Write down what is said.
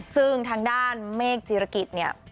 ซึ่งทางด้านเมฆจิรกิจเนี่ย